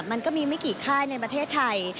มันก็มีไม่กี่ค่ายในประเทศไทย